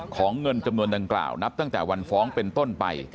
เงินจำนวนดังกล่าวนับตั้งแต่วันฟ้องเป็นต้นไป